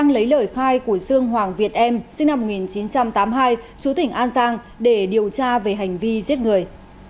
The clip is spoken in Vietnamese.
lấy lời khai của dương hoàng việt em sinh năm một nghìn chín trăm tám mươi hai chú tỉnh an giang để điều tra về hành vi giết người